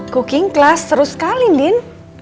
cooking kelas seru sekali ndien